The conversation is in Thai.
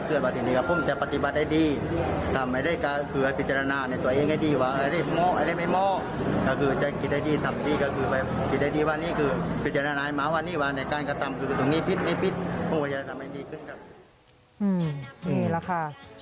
นี่แหละค่ะ